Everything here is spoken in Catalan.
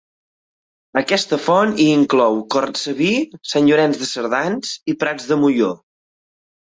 Aquesta font hi inclou Cortsaví, Sant Llorenç de Cerdans i Prats de Molló.